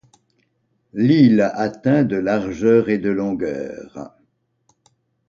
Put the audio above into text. L'île atteint de largeur et de longueur.